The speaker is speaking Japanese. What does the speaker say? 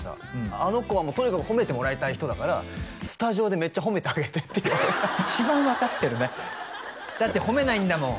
あの子はとにかく褒めてもらいたい人だからスタジオでメッチャ褒めてあげてって言われた一番分かってるねだって褒めないんだもん